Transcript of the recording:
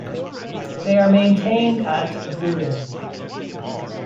They are maintained at Yverdon.